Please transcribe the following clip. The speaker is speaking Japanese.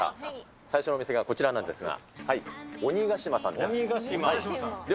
最初のお店がこちらなんですが、鬼ヶ島さんです。